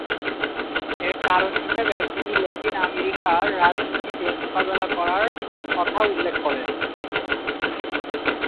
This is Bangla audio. এর কারণ হিসেবে তিনি লাতিন আমেরিকার রাজনীতিকে মোকাবেলা করার কথা উল্লেখ করেন।